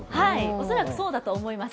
おそらくそうだと思います。